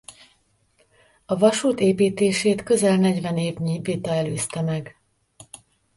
A vasút építését közel negyven évnyi vita előzte meg.